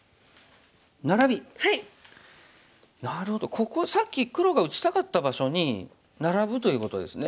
ここさっき黒が打ちたかった場所にナラブということですね。